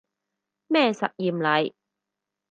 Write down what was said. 咩實驗嚟